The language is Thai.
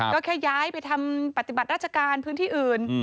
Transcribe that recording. ก็แค่ย้ายไปทำปฏิบัติราชการพื้นที่อื่น